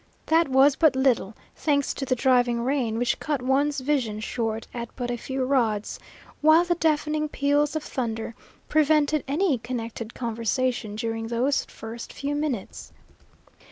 That was but little, thanks to the driving rain, which cut one's vision short at but a few rods, while the deafening peals of thunder prevented any connected conversation during those first few minutes.